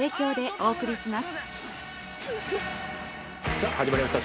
さぁ始まりました